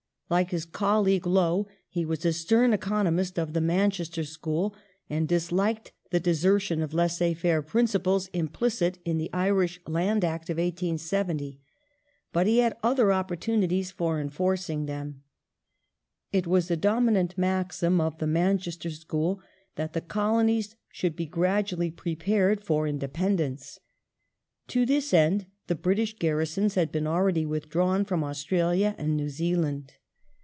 Like his colleague Lowe he was a stern economist of the Manchester School, and disliked the desertion of laissez faire principles implicit in the Irish Land Act of 1870. But he had other opportunities of enforcing them. It was a dominant maxim of the Manchester School that the Colonies should be gradually prepared for independence.^ To this end the British garrisons had been already withdrawn from Australia and New Zealand.